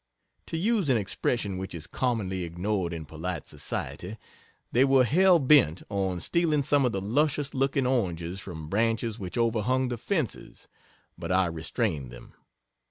To use an expression which is commonly ignored in polite society, they were "hell bent" on stealing some of the luscious looking oranges from branches which overhung the fences, but I restrained them.